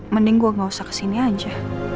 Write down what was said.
mending gue gak usah kesini aja